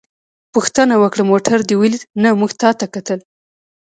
پوښتنه وکړه: موټر دې ولید؟ نه، موږ تا ته کتل.